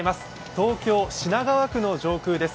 東京・品川区の上空です。